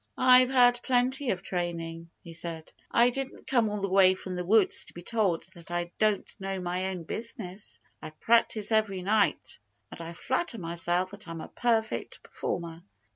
"I've had plenty of training," he said. "I didn't come all the way from the woods to be told that I don't know my own business. I practice every night. And I flatter myself that I'm a perfect performer."